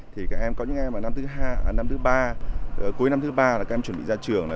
thì các em có những em ở năm thứ ba cuối năm thứ ba là các em chuẩn bị ra trường